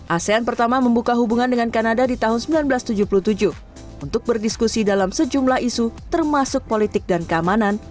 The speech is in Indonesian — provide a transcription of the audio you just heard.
asean pertama membuka hubungan dengan kanada di tahun seribu sembilan ratus tujuh puluh tujuh untuk berdiskusi dalam sejumlah isu termasuk politik dan keamanan